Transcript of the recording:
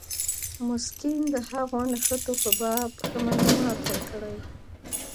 مسکین د هغو نښتو په باب ښه معلومات ورکړي.